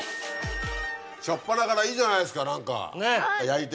初っぱなからいいじゃないですか何か。